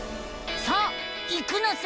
さあ行くのさ！